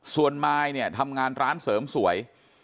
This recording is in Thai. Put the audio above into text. ส่วนมายเนี่ยทำงานร้านเสริมสวย